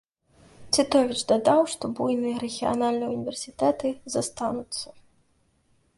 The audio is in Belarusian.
Цітовіч дадаў, што буйныя рэгіянальныя ўніверсітэты застануцца.